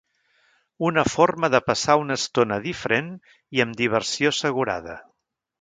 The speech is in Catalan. Una forma de passar una estona diferent i amb diversió assegurada.